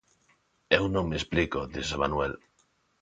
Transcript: _Eu non me explico _dixo Manuel_.